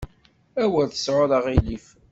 Awer tesɛuḍ aɣilif.